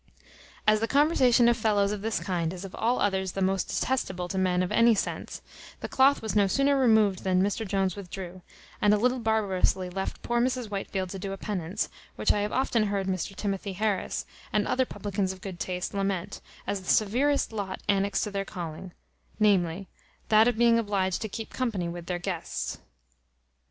As the conversation of fellows of this kind is of all others the most detestable to men of any sense, the cloth was no sooner removed than Mr Jones withdrew, and a little barbarously left poor Mrs Whitefield to do a penance, which I have often heard Mr Timothy Harris, and other publicans of good taste, lament, as the severest lot annexed to their calling, namely, that of being obliged to keep company with their guests.